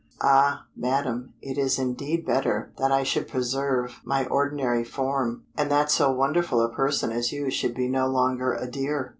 "Ah, Madam, it is indeed better that I should preserve my ordinary form, and that so wonderful a person as you should be no longer a deer."